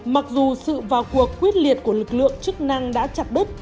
mặc dù sự vào cuộc quyết liệt của lực lượng chức năng đã chặt đứt